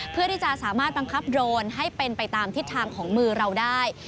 เพื่อที่จะสามารถบังคับโดรนให้เป็นไปตามทิศทางของมือเราได้